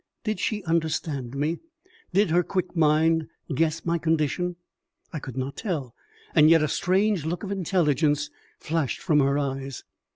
Did she understand me? Did her quick mind guess my condition? I could not tell, and yet a strange look of intelligence flashed from her eyes.